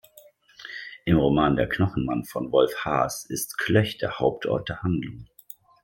Im Roman "Der Knochenmann" von Wolf Haas ist Klöch der Hauptort der Handlung.